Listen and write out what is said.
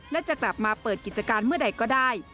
และจะกลับมาเปิดกิจการเมื่อใดก็ได้